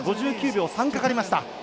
５９秒３かかりました。